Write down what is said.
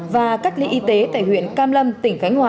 và các lý y tế tại huyện cát